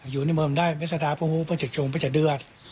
อยู่ในมือมันนี่สะดาพรมฮูพระจัสจงพระจัดเดือด